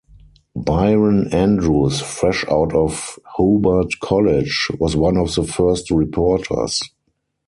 Byron Andrews, fresh out of Hobart College, was one of the first reporters.